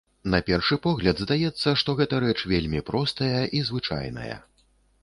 На першы погляд здаецца, што гэта рэч вельмі простая і звычайная.